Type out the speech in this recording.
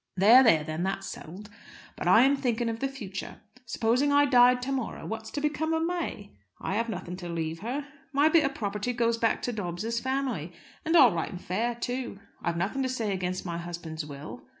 "There, there, then that's settled. But I am thinking of the future. Supposing I died to morrow, what's to become of May? I have nothing to leave her. My bit of property goes back to Dobbs's family, and all right and fair, too. I've nothing to say against my husband's will.